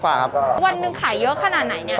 วันหนึ่งขายเยอะขนาดไหนเนี่ย